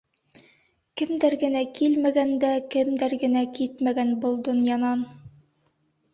Кемдәр генә килмәгән дә, кемдәр генә китмәгән был донъянан!